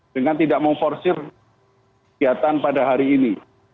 dengan tidak memforsir kegiatan pada hari ini